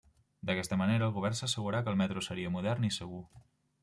D'aquesta manera, el govern assegurà que el metro seria modern i segur.